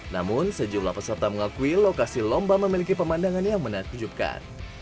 namun sejumlah peserta mengakui lokasi lomba memiliki pemandangan yang menakjubkan